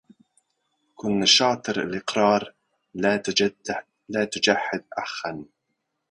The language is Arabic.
كن شاطر الإقرار لا تجحد أخا